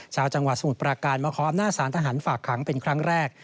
ชาวจังหวัดสมุทรปราการมาขออำนาจสารทหารฝากขังเป็นครั้งแรก